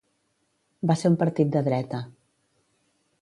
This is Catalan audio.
Va ser un partit de dreta.